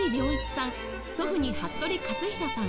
祖父に服部克久さん